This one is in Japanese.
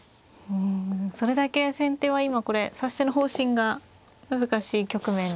うんそれだけ先手は今これ指し手の方針が難しい局面ですか。